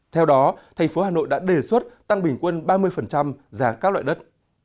theo đó tp hà nội đã đề xuất tăng bình quân ba mươi giá các loại đất